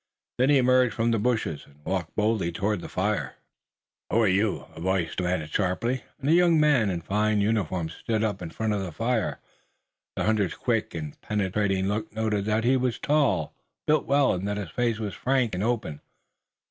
Then he emerged from the bushes, and walked boldly toward the fire. "Who are you?" a voice demanded sharply, and a young man in a fine uniform stood up in front of the fire. The hunter's quick and penetrating look noted that he was tall, built well, and that his face was frank and open.